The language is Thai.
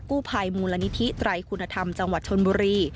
กู้ภัยมูลนิธิไตรคุณธรรมจังหวัดชนบุรี